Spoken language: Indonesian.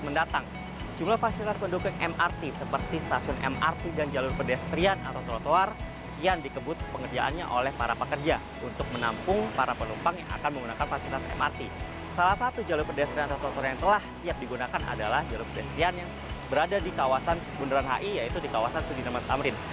yang siap digunakan adalah jalur pedestrian yang berada di kawasan bundaran hi yaitu di kawasan sudirman tamrin